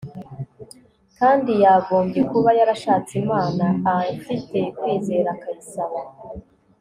kandi yagombye kuba yarashatse imana afite kwizera akayisaba